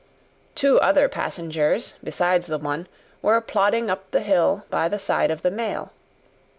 Two other passengers, besides the one, were plodding up the hill by the side of the mail.